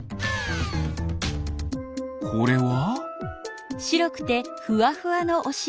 これは？